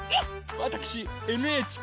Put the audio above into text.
わたくしＮＨＫ